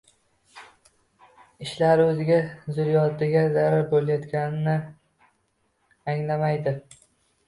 Ishlari o‘ziga, zurriyodiga zarar bo‘layotganini anglamaydi.